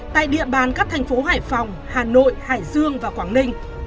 tại địa bàn các thành phố hải phòng hà nội hải dương và quảng ninh